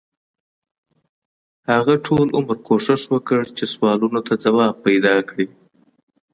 هغه ټول عمر کوښښ وکړ چې سوالونو ته ځواب پیدا کړي.